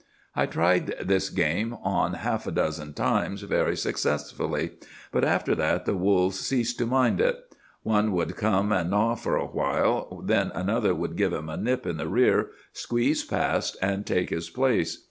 "'I tried this game on half a dozen times very successfully; but after that the wolves ceased to mind it. One would come and gnaw for a while, then another would give him a nip in the rear, squeeze past, and take his place.